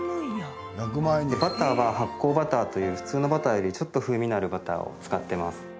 バターは発酵バターという普通のバターよりちょっと風味のあるバターを使ってます。